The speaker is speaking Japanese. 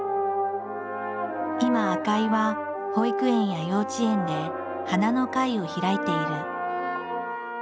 今赤井は保育園や幼稚園で花の会を開いている。